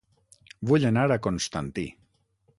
Vull anar a Constantí